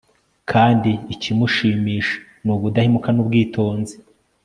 kandi ikimushimisha ni ubudahemuka n'ubwitonzi